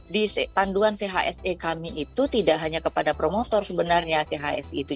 di panduan chse kami itu tidak hanya kepada promotor sebenarnya chse itu